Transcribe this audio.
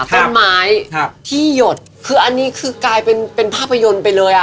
ต้นไม้ครับที่หยดคืออันนี้คือกลายเป็นเป็นภาพยนตร์ไปเลยอ่ะ